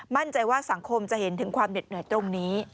มั่นใจว่าสังคมจะเห็นถึงความเหน็ดเหนื่อยตรงนี้